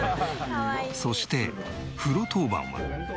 そして風呂当番は。